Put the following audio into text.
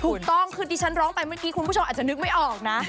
ถูกต้องคือที่ฉันร้องไปเมื่อกี้คุณผู้ชมอาจจะนึกไม่ออกนะ